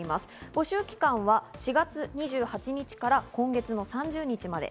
募集期間は４月２８日から今月３０日まで。